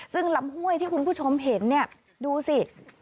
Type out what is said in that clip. ซึ่งลำห้วยที่คุณผู้ชมเห็นเนี่ยดูสิ